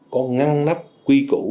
có ngăn nắp quy củ